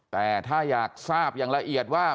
แต่ถ้าอยากทราบอย่างละเอียดว่า